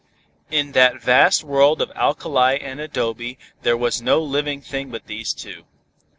In that vast world of alkali and adobe there was no living thing but these two.